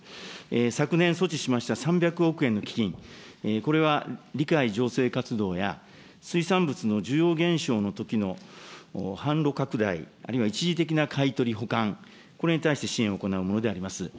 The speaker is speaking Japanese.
昨年措置しました３００億円の基金、これは醸成活動や水産物の需要減少のときの販路拡大、あるいは一時的な買い取り保管、これに対して支援を行うものであります。